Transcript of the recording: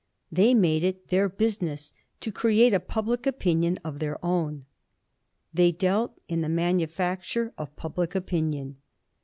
They made it their business to create a public opinion of their own. They dealt in the manufacture of public opinion.